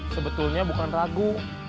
sebetulnya bukan ragu